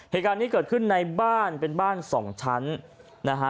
เหตุการณ์นี้เกิดขึ้นในบ้านเป็นบ้านสองชั้นนะฮะ